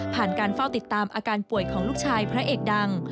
การเฝ้าติดตามอาการป่วยของลูกชายพระเอกดัง